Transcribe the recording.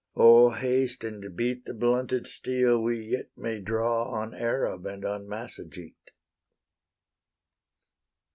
O haste and beat The blunted steel we yet may draw On Arab and on Massagete!